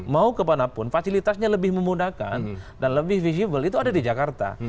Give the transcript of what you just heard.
mau ke mana pun fasilitasnya lebih memudahkan dan lebih visible itu ada di jakarta